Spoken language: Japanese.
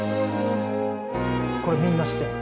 これみんな知ってる？